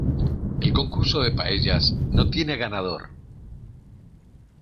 El concurso de paellas no tiene ganador.